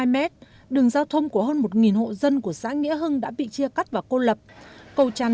một mươi mét đường giao thông của hơn một hộ dân của xã nghĩa hưng đã bị chia cắt và cô lập cầu tràn